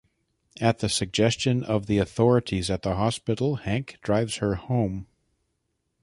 At the suggestion of the authorities at the hospital, Hank drives her home.